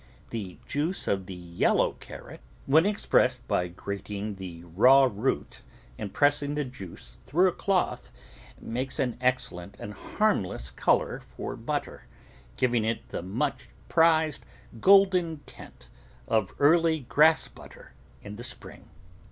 The juice of the yel low carrot, when expressed by grating the raw root and pressing the juice through a cloth, makes an excellent and harmless colour for butter, giving it the much prized golden tint of early grass butter in the spring.